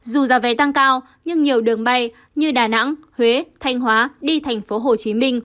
dù gió vé tăng cao nhưng nhiều đường bay như đà nẵng huế thanh hóa đi tp hcm